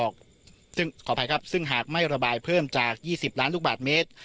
ซึ่งขออภัยครับซึ่งหากไม่ระบายเพิ่มจาก๒๐ล้านลูกบาทเมตร